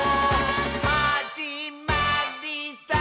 「はじまりさー」